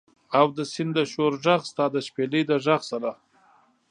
او د سیند د شور ږغ، ستا د شپیلۍ د ږغ سره